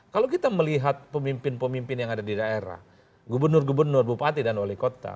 kalau kita melihat pemimpin pemimpin yang ada di daerah gubernur gubernur bupati dan wali kota